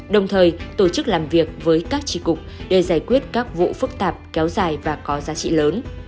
đồng thời tổ chức làm việc với các tri cục để giải quyết các vụ phức tạp kéo dài và có giá trị lớn